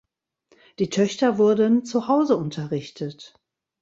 Die Töchter wurden zu Hause unterrichtet.